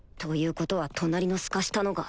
ことは隣のすかしたのが